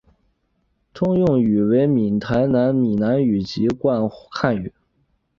通用语为闽台片闽南语及籍贯汉语。